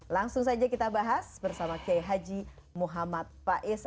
langsung saja kita bahas bersama k h muhammad faiz